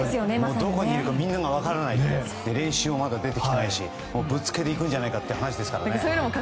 どこにいるかみんなが分からないという練習も、まだ出てきてないしぶっつけでいくんじゃないかという話ですからね。